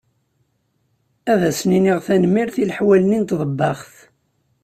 Ad asen-iniɣ tanemmirt i leḥwal-nni n tḍebbaxt.